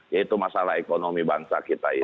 yaitu masalah ekonomi bangsa kita